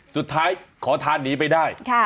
สุดท้ายขอทานหนีไปได้